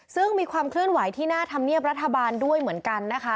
ซึ่งมีความเคลื่อนไหวที่หน้าธรรมเนียบรัฐบาลด้วยเหมือนกันนะคะ